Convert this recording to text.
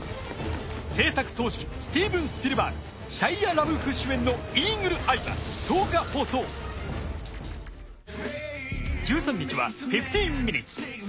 制作総指揮スティーブン・スピルバーグシャイア・ラブーフ主演の『イーグル・アイ』は１０日放送１３日は『１５ミニッツ』。